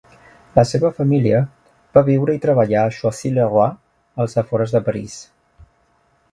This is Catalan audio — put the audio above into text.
La seva família va viure i treballar a Choisy-le-Roi, als afores de París.